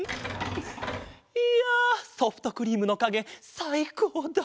いやソフトクリームのかげさいこうだった！